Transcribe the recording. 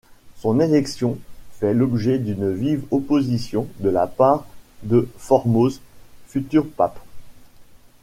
Son élection fait l'objet d'une vive opposition de la part de Formose, futur pape.